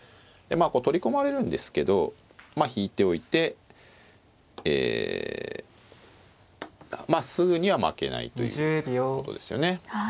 まあこう取り込まれるんですけどまあ引いておいてえまあすぐには負けないということですよね。